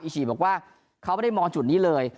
ฉี่บอกว่าเขาไม่ได้มองจุดนี้เลย